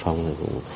xong rồi cũng